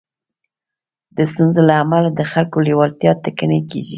د ستونزو له امله د خلکو لېوالتيا ټکنۍ کېږي.